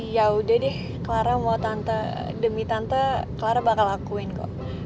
ya udah deh clara mau tante demi tante clara bakal lakuin kok